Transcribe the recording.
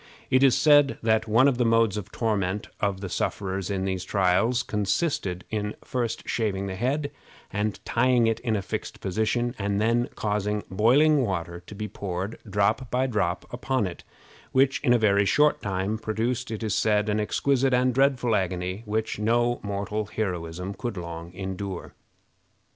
It is said that one of the modes of torment of the sufferers in these trials consisted in first shaving the head and tying it in a fixed position, and then causing boiling water to be poured, drop by drop, upon it, which in a very short time produced, it is said, an exquisite and dreadful agony which no mortal heroism could long endure.